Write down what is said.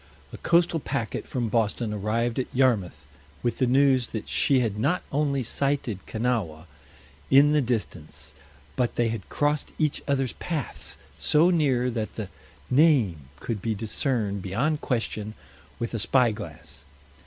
A coastal packet from Boston arrived at Yarmouth with the news that she had not only sighted Kanawha in the distance, but they had crossed each other's paths so near that the name could be discerned beyond question with a spyglass.